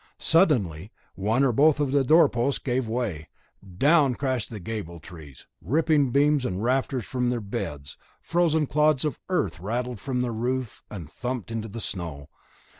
Suddenly one or both of the door posts gave way. Down crashed the gable trees, ripping beams and rafters from their beds; frozen clods of earth rattled from the roof and thumped into the snow.